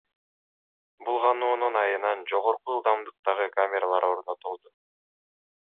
Булгануунун айынан жогорку ылдамдыктагы камералар орнотулду.